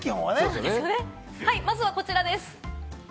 まずはこちらです。